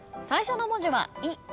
最初の文字は「い」